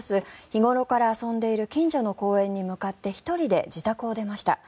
日頃から遊んでいる近所の公園に向かって１人で自宅を出ました。